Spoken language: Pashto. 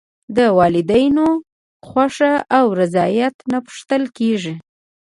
د والدینو خوښه او رضایت نه پوښتل کېږي.